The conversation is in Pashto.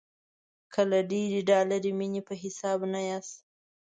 که له ډېرې ډالري مینې په حساب نه یاست.